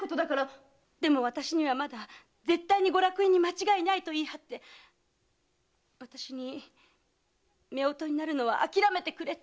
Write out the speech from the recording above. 私にはまだ絶対にご落胤に間違いないと言い張って私に夫婦になるのはあきらめてくれと。